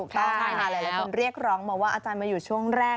หลายคนเรียกร้องมาว่าอาจารย์มาอยู่ช่วงแรก